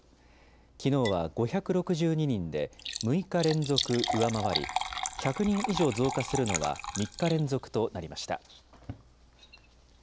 きのうは５６２人で、６日連続上回り、１００人以上増加するのは３日連続となりました。